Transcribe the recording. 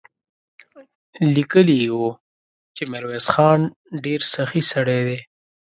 ليکلي يې و چې ميرويس خان ډېر سخي سړی دی.